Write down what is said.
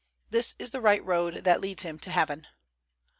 This is the right road that leads him to heaven."